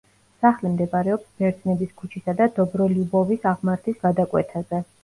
სახლი მდებარეობს ბერძნების ქუჩისა და დობროლიუბოვის აღმართის გადაკვეთაზე.